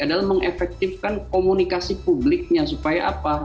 adalah mengefektifkan komunikasi publiknya supaya apa